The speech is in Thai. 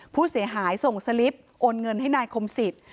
ผู้เสียหายส่งสลิปโอนเงินให้นายคมสิทธิ